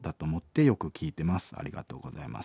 ありがとうございます。